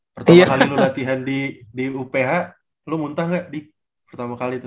pertama kali lu latihan di uph lu muntah gak di pertama kali tuh